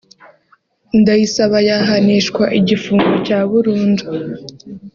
Ndayisaba yahanishwa igifungo cya burundu